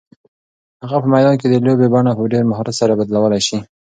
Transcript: هغه په میدان کې د لوبې بڼه په ډېر مهارت سره بدلولی شي.